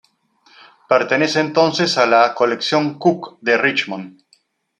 Pertenece entonces a la colección Cook de Richmond.